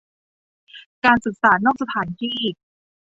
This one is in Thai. การศึกษานอกสถานที่